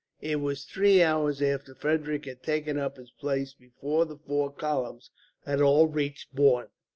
It was three hours after Frederick had taken up his place before the four columns had all reached Borne.